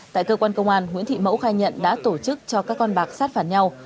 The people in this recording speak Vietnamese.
tại cơ quan công an nguyễn thị mẫu khai nhận đã tổ chức cho các con bạc sát phản nhau